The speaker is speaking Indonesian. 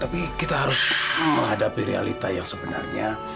tapi kita harus menghadapi realita yang sebenarnya